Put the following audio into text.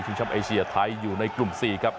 ชอบเอเชียไทยอยู่ในกลุ่ม๔ครับ